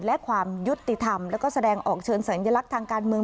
และความยุติธรรมแล้วก็แสดงออกเชิงสัญลักษณ์ทางการเมือง